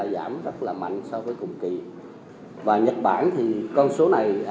giảm rất mạnh so với cùng kỳ